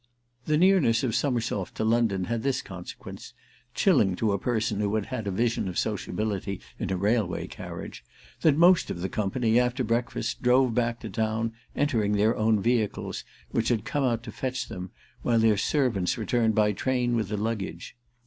The nearness of Summersoft to London had this consequence, chilling to a person who had had a vision of sociability in a railway carriage, that most of the company, after breakfast, drove back to town, entering their own vehicles, which had come out to fetch them, while their servants returned by train with their luggage.